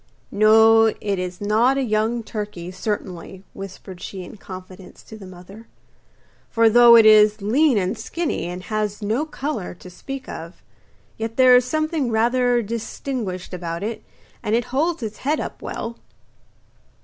'No, it is not a young turkey, certainly,' whispered she in confidence to the mother, 'for though it is lean and skinny, and has no colour to speak of, yet there is something rather distinguished about it, and it holds its head up well.